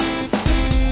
ya itu dia